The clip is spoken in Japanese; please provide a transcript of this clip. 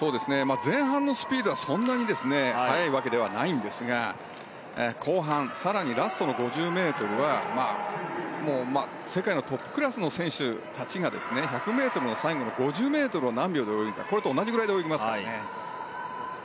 前半のスピードはそんなに速いわけではないんですが後半、更にラストの５０ｍは世界のトップクラスの選手たちが１００ｍの最後の５０ｍを何秒で泳ぐかこれと同じくらいで泳ぎますからね。